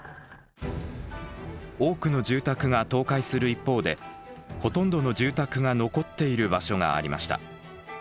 多くの住宅が倒壊する一方でほとんどの住宅が残っている場所がありました。